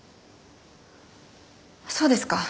そうですか。